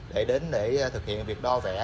để đến để thực hiện việc đo vẽ